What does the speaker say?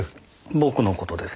僕の事ですか？